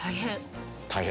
大変。